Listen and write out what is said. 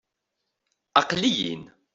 Aql-iyi-n.